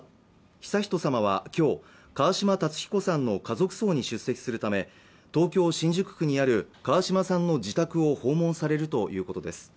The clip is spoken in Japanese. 悠仁さまは今日川嶋辰彦さんの家族葬に出席するため東京新宿区にある川嶋さんの自宅を訪問されるということです